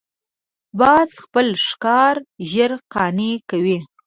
باز خپل ښکار ژر قانع کوي